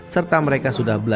serta mereka sudah berdoa